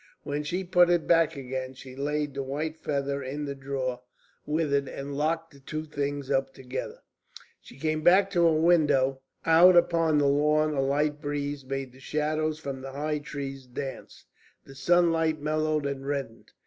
When she put it back again, she laid the white feather in the drawer with it and locked the two things up together. She came back to her window. Out upon the lawn a light breeze made the shadows from the high trees dance, the sunlight mellowed and reddened.